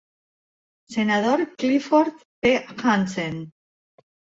Senador Clifford P. Hansen.